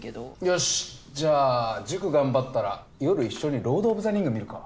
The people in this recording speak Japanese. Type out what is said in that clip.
よしじゃあ塾頑張ったら夜一緒に『ロード・オブ・ザ・リング』見るか？